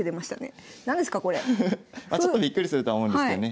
まあちょっとびっくりするとは思うんですけどね。